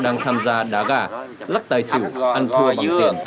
đang tham gia đá gà lắc tài xỉu ăn thua bằng tiền